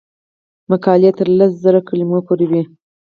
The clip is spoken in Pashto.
مقالې تر لس زره کلمو پورې وي.